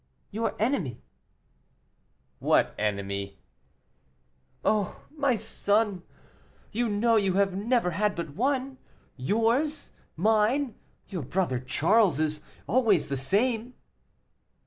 "Your enemy." "What enemy?" "O! my son, you know you have never had but one; yours, mine, your brother Charles's; always the same."